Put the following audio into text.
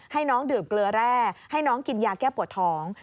ให้น้องดื่มเกลือแร่ให้น้องกินยาแก้ปวดท้อง